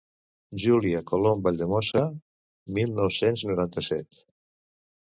Júlia Colom Valldemossa mil nou-cents noranta-set